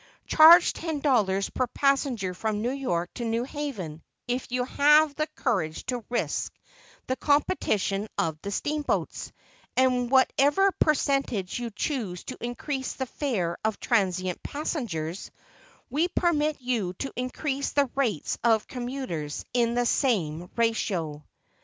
Charge ten dollars per passenger from New York to New Haven, if you have the courage to risk the competition of the steamboats; and whatever percentage you choose to increase the fare of transient passengers, we permit you to increase the rates of commuters in the same ratio.